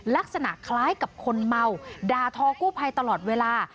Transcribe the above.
ลักษณะคล้ายกับคนเมาด่าทอกู้ภัยตลอดเวลา